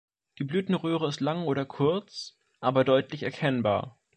Die Blütenröhre ist lang oder kurz, aber deutlich erkennbar.